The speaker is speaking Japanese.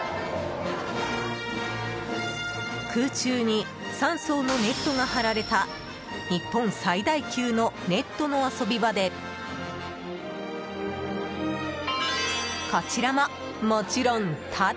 空中に３層のネットが張られた日本最大級のネットの遊び場でこちらも、もちろんタダ。